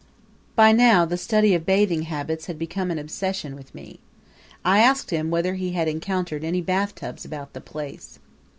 By now the study of bathing habits had become an obsession with me; I asked him whether he had encountered any bathtubs about the place.